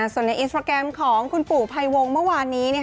ส่วนในอินสตราแกรมของคุณปู่ภัยวงเมื่อวานนี้